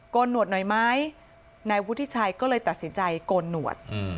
นหนวดหน่อยไหมนายวุฒิชัยก็เลยตัดสินใจโกนหนวด